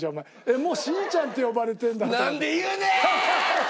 もう「しちゃん」って呼ばれてるんだって。